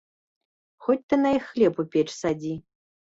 Хоць ты на іх хлеб у печ садзі.